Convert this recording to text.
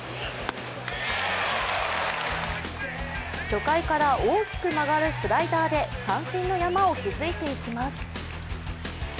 初回から大きく曲がるスライダーで三振の山を築いていきます。